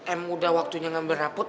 em udah waktunya ngambil reput